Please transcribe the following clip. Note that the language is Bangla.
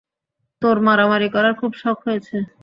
তোর মারামারি করার খুব শখ হয়েছে।